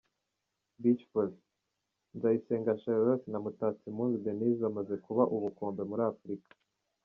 Beach Volley: Nzayisenga Charlotte na Mutatsimpundu Denise bamaze kuba ubukombe muri Afurika.